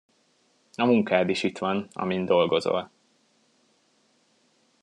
A munkád is itt van, amin dolgozol.